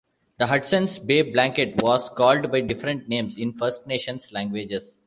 The Hudson's Bay blanket was called by different names in First Nations languages.